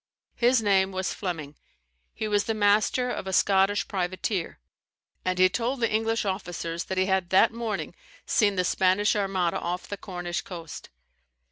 His name was Fleming; he was the master of a Scotch privateer; and he told the English officers that he had that morning seen the Spanish Armada off the Cornish coast.